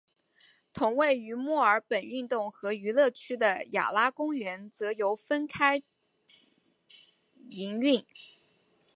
同位于墨尔本运动和娱乐区的雅拉公园则由分开营运。